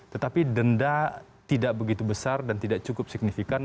tetapi denda tidak begitu besar dan tidak cukup signifikan